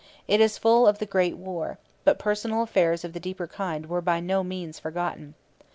It is full of the great war; but personal affairs of the deeper kind were by no means forgotten.